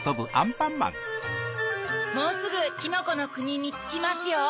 もうすぐきのこのくににつきますよ。